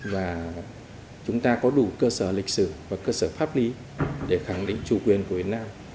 và chúng ta có đủ cơ sở lịch sử và cơ sở pháp lý để khẳng định chủ quyền của việt nam